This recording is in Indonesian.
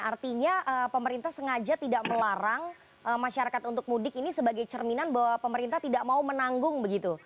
artinya pemerintah sengaja tidak melarang masyarakat untuk mudik ini sebagai cerminan bahwa pemerintah tidak mau menanggung begitu